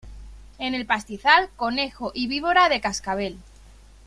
En el pastizal: conejo y víbora de cascabel.